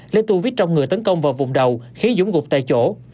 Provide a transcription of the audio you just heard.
lấy tu viết trong người tấn công vào vùng đầu khí dũng gục tại chỗ